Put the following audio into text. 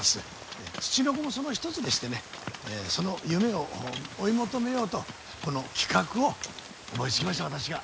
ツチノコもその一つでしてねその夢を追い求めようとこの企画を思いつきました私が。